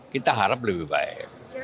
kita harap lebih baik